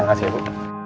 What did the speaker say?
terima kasih ya bu